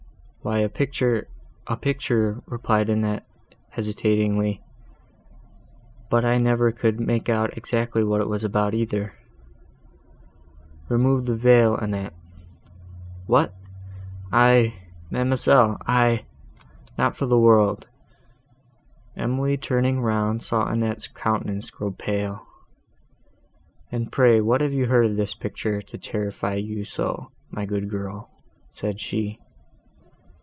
"Why a picture—a picture," replied Annette, hesitatingly—"but I never could make out exactly what it was about, either." "Remove the veil, Annette." "What! I, ma'amselle!—I! not for the world!" Emily, turning round, saw Annette's countenance grow pale. "And pray, what have you heard of this picture, to terrify you so, my good girl?" said she.